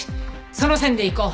その線でいこう。